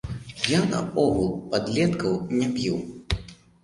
Я наогул падлеткаў не б'ю.